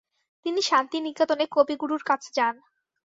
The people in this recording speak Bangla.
তিনি শান্তিনিকেতনে কবিগুরুর কাছে যান।